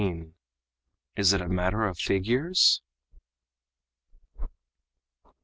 IS IT A MATTER OF FIGURES?